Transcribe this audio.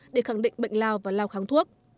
để khẳng định bệnh lao và lao kháng thuốc